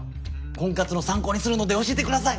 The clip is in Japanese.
婚活の参考にするので教えてください。